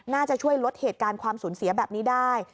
น่าจะช่วยลดเหตุการณ์ความสูญเสียแบบนี้ได้